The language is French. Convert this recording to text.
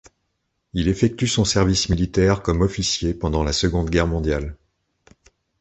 Il effectue son service militaire comme officier pendant la Seconde Guerre mondiale.